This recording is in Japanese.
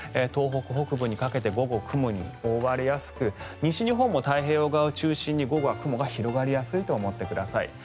東北北部にかけて午後、雲に覆われやすく西日本も太平洋側を中心に午後は雲が広がりやすいと思ってください。